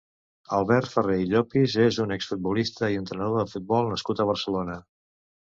Albert Ferrer i Llopis és un exfutbolista i entrenador de futbol nascut a Barcelona.